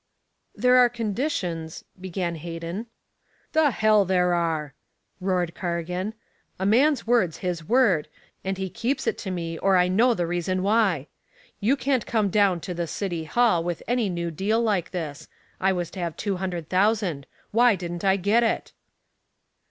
"There are conditions " began Hayden. "The hell there are!" roared Cargan. "A man's word's his word, and he keeps it to me, or I know the reason why. You can't come down to the City Hall with any new deal like this. I was to have two hundred thousand. Why didn't I get it?"